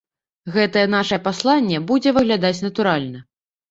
Гэтае нашае пасланне будзе выглядаць натуральна.